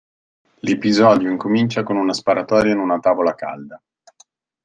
L'episodio incomincia con una sparatoria in una tavola calda.